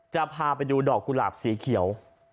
จะพาไปดูดอกกุหลาบสีเขียว